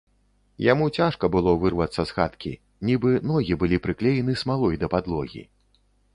Яму цяжка было вырвацца з хаткі, нібы ногі былі прыклеены смалой да падлогі.